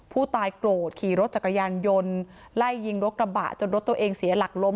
ผู้ตายโกรธขี่รถจักรยานยนต์ไล่ยิงรถกระบะจนรถตัวเองเสียหลักล้ม